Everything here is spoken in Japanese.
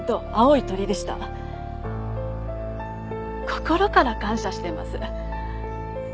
心から感謝してます。